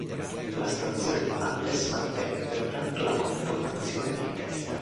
La stazione di Malles mantenne pertanto la conformazione di testa.